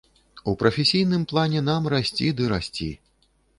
У прафесійным плане нам расці ды расці.